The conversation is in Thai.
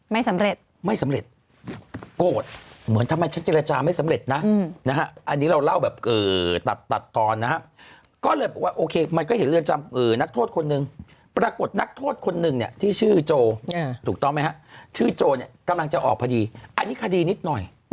ไม่สำเร็จไม่สำเร็จโกรธเหมือนทำไมฉันเจรจาไม่สำเร็จนะนะฮะอันนี้เราเล่าแบบตัดตัดตอนนะฮะก็เลยบอกว่าโอเคมันก็เห็นเรือนจำนักโทษคนนึงปรากฏนักโทษคนหนึ่งเนี่ยที่ชื่อโจถูกต้องไหมฮะชื่อโจเนี่ยกำลังจะออกพอดีอันนี้คดีนิดหน่อย